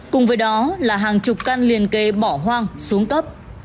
cùng với đó là hàng chục căn liền kề bỏ hoang xuống cấp